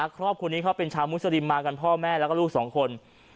ครอบครัวนี้เขาเป็นชาวมุสลิมมากันพ่อแม่แล้วก็ลูกสองคน